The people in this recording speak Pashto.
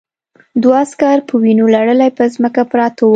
دوه عسکر په وینو لړلي پر ځمکه پراته وو